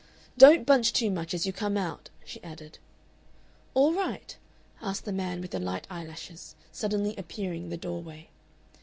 "Don't bunch too much as you come out," she added. "All right?" asked the man with the light eyelashes, suddenly appearing in the doorway.